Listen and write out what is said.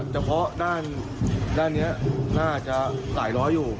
เฉพาะด้านนี้น่าจะสายล้ออยู่